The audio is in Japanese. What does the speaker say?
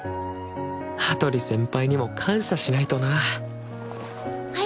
羽鳥先輩にも感謝しないとな早く部活行こ！